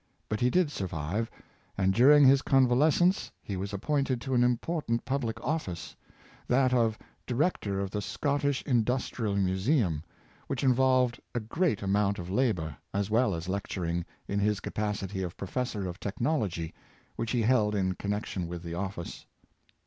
But he did survive; and during his convalescence he was ap pointed to an important public office — that of Director of the Scottish Industrial Museum, which involved a Hts Perseverance to the End, 507 great amount of labor, as well as lecturing, in his ca pacity of professor of technology, which he held in con nection with the office.